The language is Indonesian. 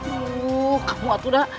aduh kamu waktu dah